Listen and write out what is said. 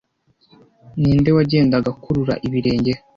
Ninde wagendaga akurura ibirenge